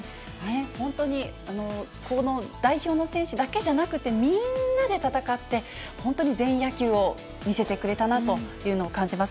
本当に、この代表の選手だけじゃなくて、みんなで戦って、本当に全員野球を見せてくれたなというのを感じます。